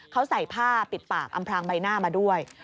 เขาใส่ผ้าปิดปากอำพลางใบหน้ามาด้วย